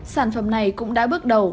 sản phẩm này cũng đã bước đầu